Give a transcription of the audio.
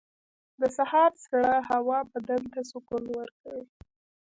• د سهار سړه هوا بدن ته سکون ورکوي.